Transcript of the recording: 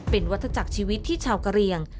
เป็นวัตถจักรชีวิตที่ชาวกะเรียง